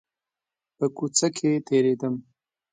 په کوڅه کښې تېرېدم .